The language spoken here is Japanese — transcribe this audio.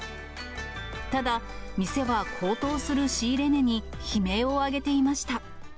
ただ、店は高騰する仕入れ値に悲鳴を上げていました。